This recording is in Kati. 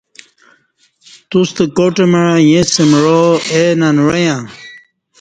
توستہ کا ٹ مع ییں سمعا اے ننوعݩہ